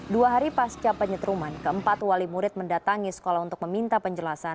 dua hari pasca penyetruman keempat wali murid mendatangi sekolah untuk meminta penjelasan